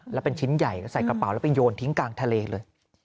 แล้วเป็นชิ้นใหญ่ใส่กระเป๋าแล้วไปโยนทิ้งกลางทะเลเลย